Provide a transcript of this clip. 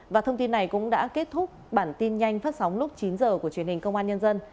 và thông tin này cũng đã kết thúc bản tin nhanh phát sóng lúc chín h của truyền hình công an nhân dân